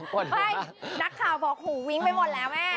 ไม่นักข่าวบอกหูวิ้งไปหมดแล้วแม่